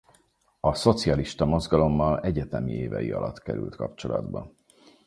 A szocialista mozgalommal egyetemi évei alatt került kapcsolatba.